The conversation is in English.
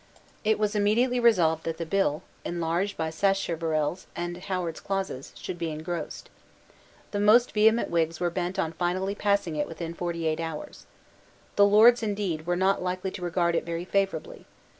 It was immediately resolved that the bill, enlarged by Sacheverell's and Howard's clauses, should be ingrossed. The most vehement Whigs were bent on finally passing it within forty eight hours. The Lords, indeed, were not likely to regard it very favourably.